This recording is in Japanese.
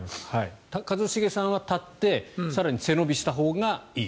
一茂さんは立って更に背伸びしたほうがいい。